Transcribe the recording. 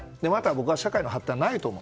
僕は社会の発展はないと思う。